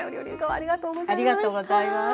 ありがとうございます。